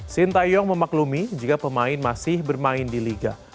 sintayong memaklumi jika pemain masih bermain di liga